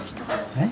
えっ？